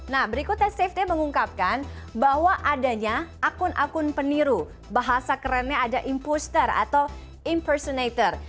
nah berikutnya safety mengungkapkan bahwa adanya akun akun peniru bahasa kerennya ada imposter atau impersonator